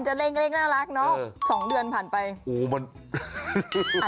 หลายคนนะ